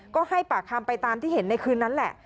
ก็ให้ปากคำไปตามที่เห็นในคืนนั้นแหละ